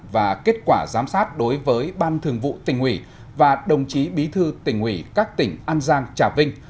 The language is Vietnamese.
và kết quả giám sát đối với ban thường vụ tình hủy và đồng chí bí thư tình hủy các tỉnh an giang trà vinh